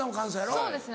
そうですね